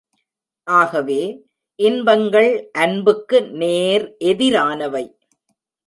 ஆகவே, இன்பங்கள் அன்புக்கு நேர் எதிரானவை.